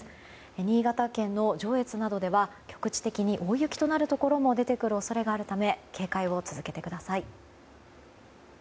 新潟県の上越などでは局地的に大雪なるところも出てくる恐れがあるため警戒を続けてください。